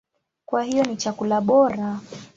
Kwa hiyo ni chakula bora.